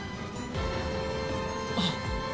あっ！